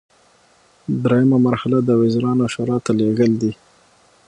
دریمه مرحله د وزیرانو شورا ته لیږل دي.